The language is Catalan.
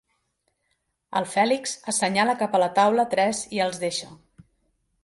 El Fèlix assenyala cap a la taula tres i els deixa.